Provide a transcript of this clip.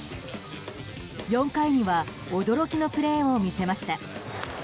４回には驚きのプレーを見せました。